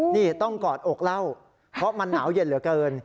นี่ต้องกอดอกเล่าเพราะมันหนาวเย็นเหลือเกิน